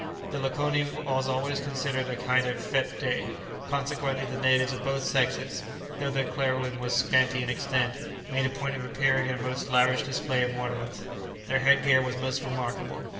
The lakoni was always considered a kind of fète day; consequently the natives of both sexes, though their clothing was scanty in extent, made a point of appearing in a most lavish display of ornaments. Their head gear was most remarkable.